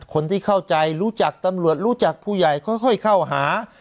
คนที่เข้าใจรู้จักตำรวจรู้จักผู้ใหญ่ค่อยเข้าหา